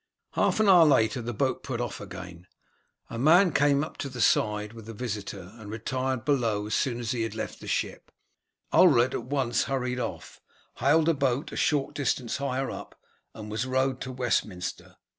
Half an hour later the boat put off again; a man came to the side with the visitor and retired below as soon as he left the ship. Ulred at once hurried off, hailed a boat a short distance higher up and was rowed to Westminster.